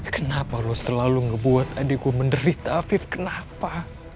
kenapa lo selalu ngebuat adik gue menderita afif kenapa